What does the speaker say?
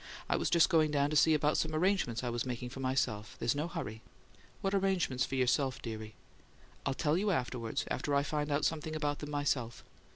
"I was just going down to see about some arrangements I was making for myself. There's no hurry." "What arrangements for yourself, dearie?" "I'll tell you afterwards after I find out something about 'em myself."